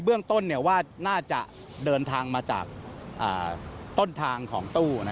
เบื้องต้นเนี่ยว่าน่าจะเดินทางมาตั้งต้นทางของตู้นะ